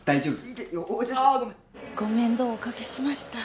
ご面倒をおかけしました。